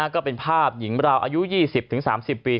ก็เป็นภาพหญิงราวอายุ๒๐๓๐ปี